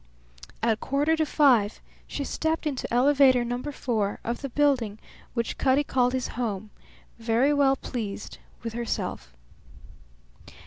At quarter to five she stepped into Elevator Number Four of the building which Cutty called his home, very well pleased with herself.